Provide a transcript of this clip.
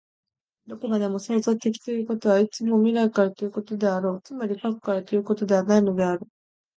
どこまでも創造的ということは、いつも未来からということであろう、つまり過去からということはないのである。